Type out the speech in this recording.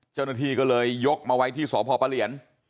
เจ้าหน้าที่ก็เลยยกมาไว้ที่สพปะเหลียน